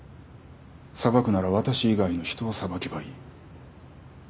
裁くなら私以外の人を裁けばいい。